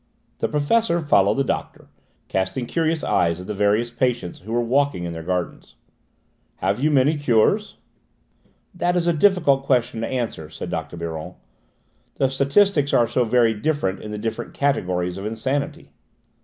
The Professor followed the doctor, casting curious eyes at the various patients who were walking in their gardens. "Have you many cures?" "That is a difficult question to answer," said Dr. Biron. "The statistics are so very different in the different categories of insanity."